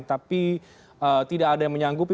tapi tidak ada yang menyanggupi